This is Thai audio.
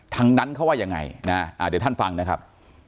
ทั้งนั้นเขาว่ายังไงนะเดี๋ยวท่านฟังนะครับ